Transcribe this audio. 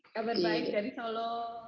kabar baik dari solo